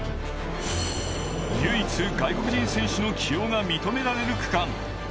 唯一外国人選手の起用が認められる区間。